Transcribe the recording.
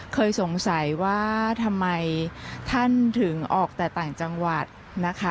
เคยสงสัยว่าทำไมท่านถึงออกแต่ต่างจังหวัดนะคะ